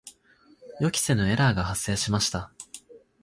予期せぬエラーが発生しました。